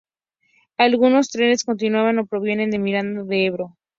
Algunos trenes continúan o provienen de Miranda de Ebro.